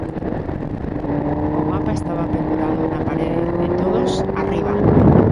O mapa estaba pendurado na parede, e todos, "arriba".